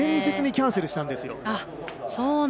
前日にキャンセルしたんですよ。